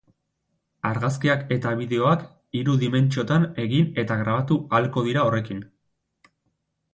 Argazkiak eta bideoak hiru dimentsiotan egin eta grabatu ahalko dira horrekin.